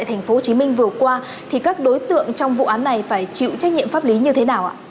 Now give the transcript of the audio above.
trên thành phố hồ chí minh vừa qua thì các đối tượng trong vụ án này phải chịu trách nhiệm pháp lý như thế nào ạ